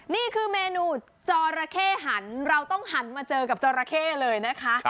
นี่คือเมนูจอระเข้หันเราต้องหันมาเจอกับจอราเข้เลยนะคะ